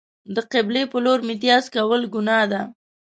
د قبلې په لور میتیاز کول گناه ده.